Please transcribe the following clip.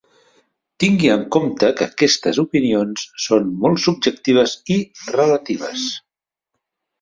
Tingui en compte que aquestes opinions són molt subjectives i relatives.